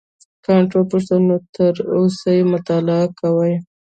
کانت وپوښتل نو تر اوسه یې مطالعه کوې.